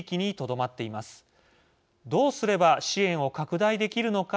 どうすれば支援を拡大できるのか。